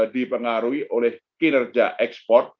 dipengaruhi oleh kinerja ekspor